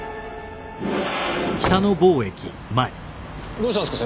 どうしたんすか？